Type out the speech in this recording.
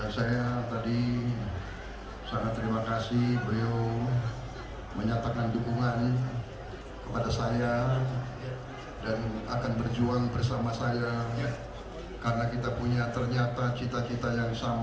saya tadi sangat terima kasih beliau menyatakan dukungan kepada saya dan akan berjuang bersama saya karena kita punya ternyata cita cita yang sama